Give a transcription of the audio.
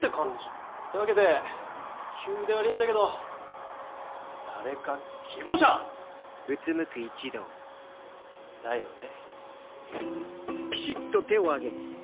ってわけで急で悪いんだけど誰か希望者！だよね。